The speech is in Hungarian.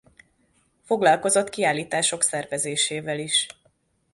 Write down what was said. Foglalkozott kiállítások szervezésével is.